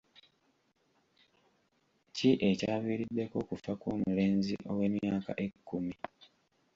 Ki ekyaviiriddeko okufa kw'omulenzi ow'emyaka ekkumi?